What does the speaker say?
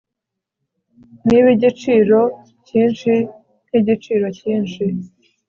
nibigiciro cyinshi nkigiciro cyinshi